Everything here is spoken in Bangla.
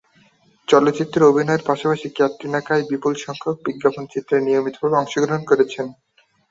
চলচ্চিত্রে অভিনয়ের পাশাপাশি ক্যাটরিনা কাইফ বিপুলসংখ্যক বিজ্ঞাপন চিত্রে নিয়মিতভাবে অংশগ্রহণ করছেন।